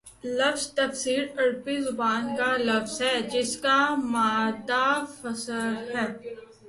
لفظ تفسیر عربی زبان کا لفظ ہے جس کا مادہ فسر ہے